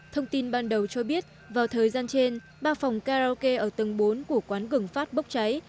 thông tin ban đầu cho biết vào thời gian trên ba phòng karaoke ở tầng bốn của quán gừng phát bốc cháy